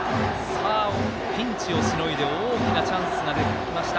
ピンチをしのいで大きなチャンスが出てきました。